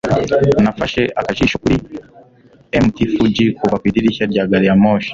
nafashe akajisho kuri mt fuji kuva mu idirishya rya gari ya moshi